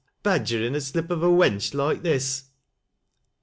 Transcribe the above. — badgeriii' a slip o' a wench loike this."